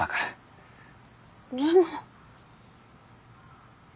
でも。